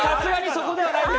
そこじゃないです。